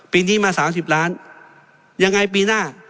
ปีนี้มาสามสามสิบร้านยังไงปีหน้า